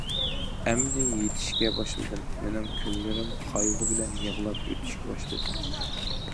ئەمدى يېتىشكە باشلىدىم، مېنىڭ كۈنلىرىم قايغۇ بىلەن يىغلاپ ئۆتۈشكە باشلىدى.